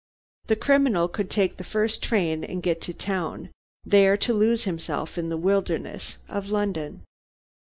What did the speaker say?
The criminal could take the first train and get to town, there to lose himself in the wilderness of London.